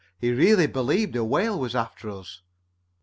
"He really believed a whale was after us."